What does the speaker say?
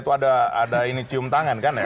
itu ada ini cium tangan kan ya